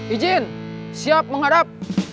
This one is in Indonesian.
ijin siap menghadap